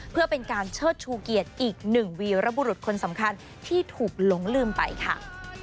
เพื่อเป็นการเชิดชูเกียรติอีกหนึ่งวีรบุรุษคนสำคัญที่ถูกหลงลืมไปค่ะ